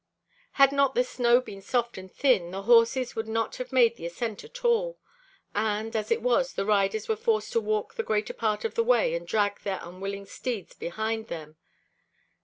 Had not the snow been soft and thin, the horses could not have made the ascent at all; and, as it was, the riders were forced to walk the greater part of the way and drag their unwilling steeds behind them.